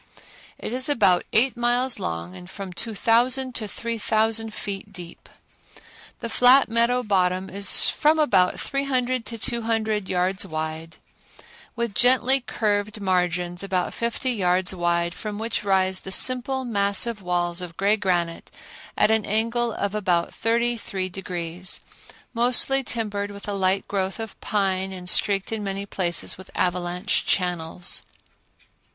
It is about eight miles long and from 2000 to 3000 feet deep. The flat meadow bottom is from about three hundred to two hundred yards wide, with gently curved margins about fifty yards wide from which rise the simple massive walls of gray granite at an angle of about thirty three degrees, mostly timbered with a light growth of pine and streaked in many places with avalanche channels.